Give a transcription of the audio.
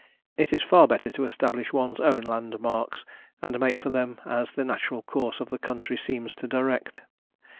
It is far better to establish one's own landmarks, and make for them as the natural course of the country seems to direct.